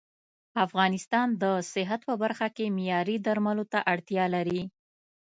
افغانستان د صحت په برخه کې معياري درملو ته اړتيا لري